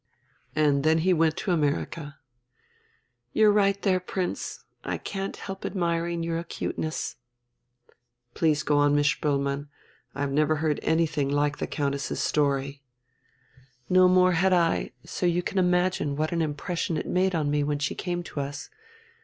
"And then he went to America?" "You're right there, Prince. I can't help admiring your 'cuteness." "Please go on, Miss Spoelmann. I've never heard anything like the Countess's story." "No more had I; so you can imagine what an impression it made on me when she came to us.